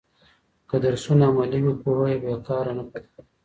که درسونه عملي وي، پوهه بې کاره نه پاته کېږي.